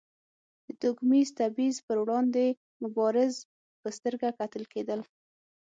د توکمیز تبیض پر وړاندې مبارز په سترګه کتل کېدل.